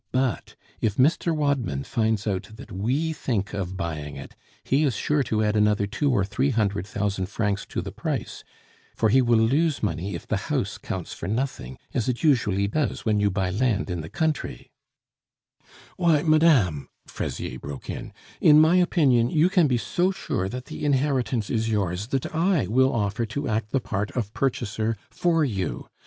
But if Mr. Wadman finds out that we think of buying it, he is sure to add another two or three hundred thousand francs to the price; for he will lose money if the house counts for nothing, as it usually does when you buy land in the country " "Why, madame," Fraisier broke in, "in my opinion you can be so sure that the inheritance is yours that I will offer to act the part of purchaser for you.